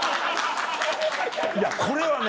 いやこれはね